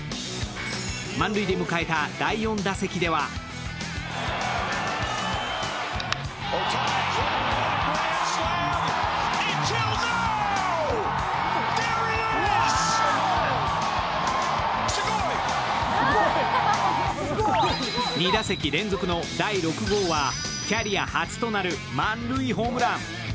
満塁で迎えた第４打席では２打席連続の第６号はキャリア初となる満塁ホームラン。